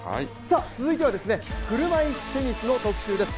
続いては、車いすテニスの特集です